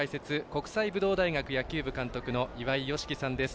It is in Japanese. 国際武道大学野球部監督の岩井美樹さんです。